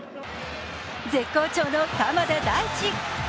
絶好調の鎌田大地。